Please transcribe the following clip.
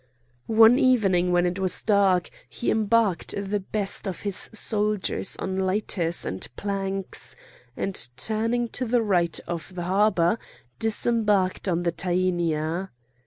One evening when it was dark he embarked the best of his soldiers on lighters and planks, and turning to the right of the harbour, disembarked on the Tænia.